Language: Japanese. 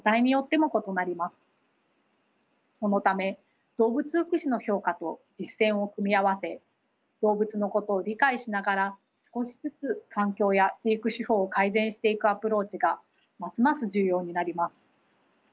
そのため動物福祉の評価と実践を組み合わせ動物のことを理解しながら少しずつ環境や飼育手法を改善していくアプローチがますます重要になります。